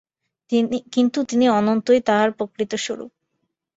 কিন্তু সেই অনন্তই তাহার প্রকৃত স্বরূপ।